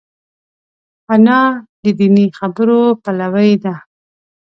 انا د دیني خبرو پلوي ده